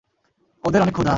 ওদের অনেক ক্ষুধা!